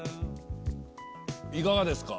いかがですか？